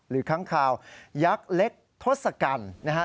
หรือค้างข่าวยักษ์เล็กทศกัณฐ์